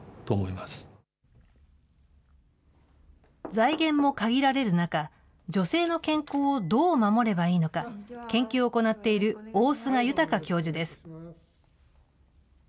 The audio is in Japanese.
財源も限られる中、女性の健康をどう守ればいいのか、研究を行っている大須賀穣教授です。